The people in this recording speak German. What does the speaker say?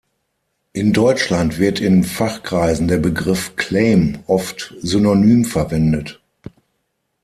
In Deutschland wird in Fachkreisen der Begriff Claim oft synonym verwendet.